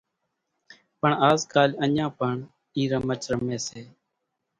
پڻ آز ڪال اڃان پڻ اِي رمچ رمي سي